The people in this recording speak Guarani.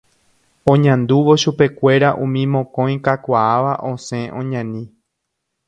Oñandúvo chupekuéra umi mokõi kakuaáva osẽ oñani.